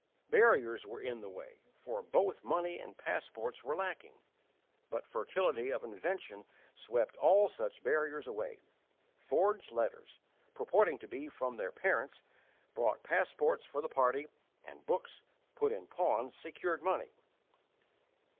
Barriers were in the way, for both money and passports were lacking; but fertility of invention swept all such barriers away. Forged letters, purporting to be from their parents, brought passports for the party, and books, put in pawn, secured money.